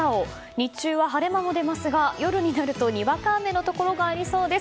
日中は晴れ間も出ますが夜になるとにわか雨のところがありそうです。